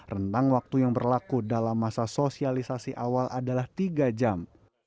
rentang waktu yang berlaku dalam masa sosialisasi awal adalah tiga jam